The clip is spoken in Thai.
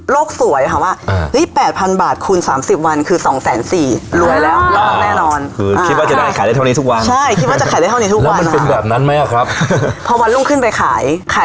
โลกสวยค่ะว่านี่๘พันบาท